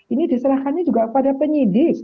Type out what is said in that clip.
ini diserahkannya juga pada penyidik